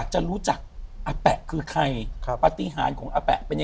ที่สัญจาวท่านก็ได้